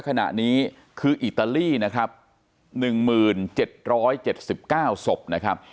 ขณะนี้คืออิตาลีนะครับหนึ่งหมื่นเจ็ดร้อยเจ็ดสิบเก้าศพนะครับ